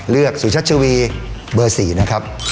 เลือกสุชัตวิเบอร์๔นะครับ